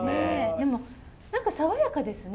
でも何か爽やかですね。